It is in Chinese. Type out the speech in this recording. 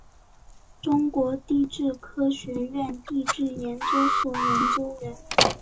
中国地质科学院地质研究所研究员。